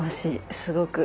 すごく。